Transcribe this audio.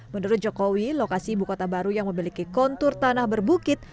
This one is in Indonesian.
menurut jokowi lokasi ibu kota baru yang memiliki kontur tanah berbukit